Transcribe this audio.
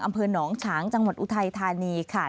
อำเภอหนองฉางจังหวัดอุทัยธานีค่ะ